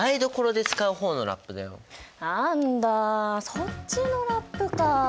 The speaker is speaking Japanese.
そっちのラップか。